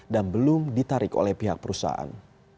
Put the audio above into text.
dan belum ditarik oleh pihak perusahaan